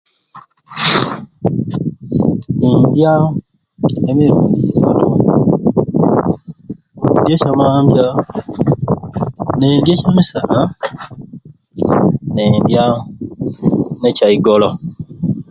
Ndya emirundi isatu ndya ekyamambya nindya ekyamisana nindya ne kyaigolo.